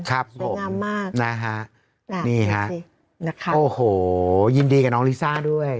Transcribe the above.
สวยงามมากนะฮะนี่ฮะนะคะโอ้โหยินดีกับน้องลิซ่าด้วย